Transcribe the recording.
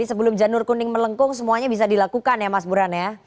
sebelum janur kuning melengkung semuanya bisa dilakukan ya mas buran ya